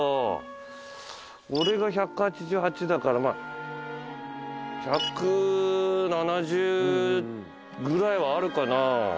俺が１８８だから１７０ぐらいはあるかな。